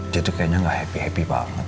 dia tuh kayaknya gak happy happy banget